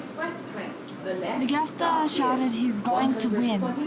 Nafzger shouted, He's going to win!